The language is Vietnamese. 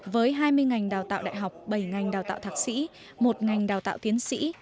với hai mươi ngành đào tạo đại học bảy ngành đào tạo thạc sĩ một ngành đào tạo tiến sĩ